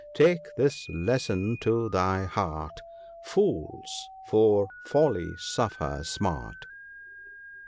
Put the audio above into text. Take this lesson to thy heart — Fools for folly suffer smart."